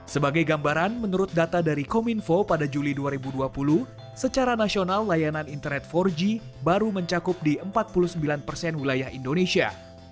sebagai gambaran menurut data dari kominfo pada juli dua ribu dua puluh secara nasional layanan internet empat g baru mencakup di empat puluh sembilan persen wilayah indonesia